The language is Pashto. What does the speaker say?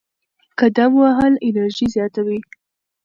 قدم وهل انرژي زیاتوي.